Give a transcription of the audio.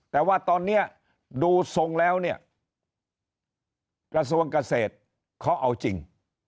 แต่ว่าตอนนี้ดูทรงแล้วเนี่ยกระทรวงเกษตรเขาเอาจริง